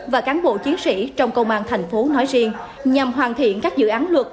và cán bộ chiến sĩ trong công an thành phố nói riêng nhằm hoàn thiện các dự án luật